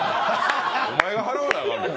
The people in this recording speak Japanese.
お前が払わなあかん。